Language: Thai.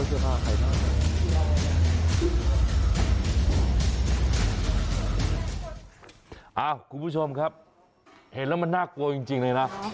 คุณผู้ชมครับเห็นแล้วมันน่ากลัวจริงเลยนะ